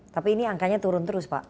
tapi ini angkanya turun terus pak